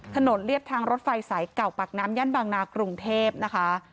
เรียบทางรถไฟสายเก่าปากน้ำย่านบางนากรุงเทพนะคะ